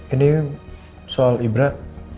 ini soal ibrah